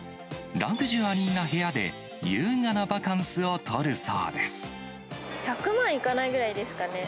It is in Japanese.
ラグジュアリーな部屋で、優雅な１００万いかないくらいですかね。